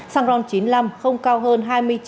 xăng ron chín mươi năm không cao hơn